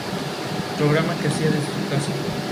Bae tiene dos hermanos menores, un hermano y una hermana.